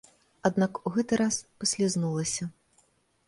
Аднак у гэты раз паслізнулася.